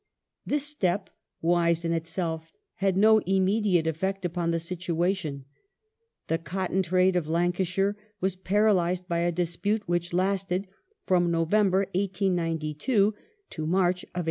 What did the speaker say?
This step, wise in itself, had no immediate effect upon the situa tion. The cotton trade of Lancashire was paralysed by a dispute which lasted from November, 1892, to March, 1893.